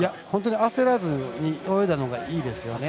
焦らずに泳いだのがいいですよね。